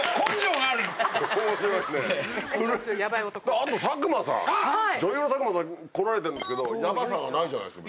あと佐久間さん女優の佐久間さん来られてるんですけどヤバさがないじゃないですか？